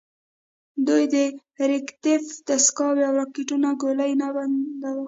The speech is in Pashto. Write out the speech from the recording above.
دوی د ریکتیف دستګاوو او راکېټونو ګولۍ نه بنداوه.